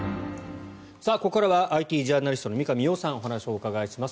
ここからはＩＴジャーナリストの三上洋さんにお話をお伺いします。